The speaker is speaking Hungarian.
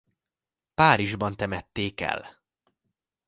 Párizsban temették el.